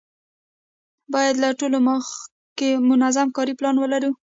باید له ټولو مخکې منظم کاري پلان ولرو.